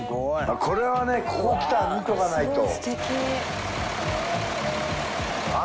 これはねここ来たら見とかないと。